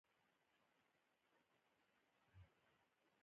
د ابوزید د ستاینې په موخه پيل نه کړی و.